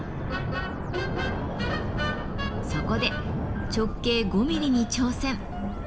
そこで直径５ミリに挑戦。